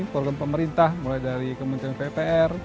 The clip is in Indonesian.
program pemerintah mulai dari kementerian ppr